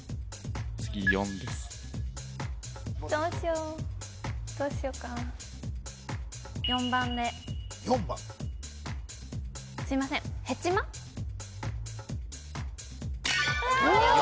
次４ですどうしようどうしようかなすいませんわよかった！